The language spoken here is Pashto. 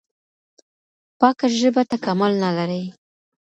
پاکه ژبه تکامل نه لري.